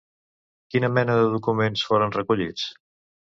Quina mena de documents foren recollits?